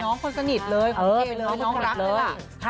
เป็นน้องคนสนิทเลยเป็นน้องรักเลย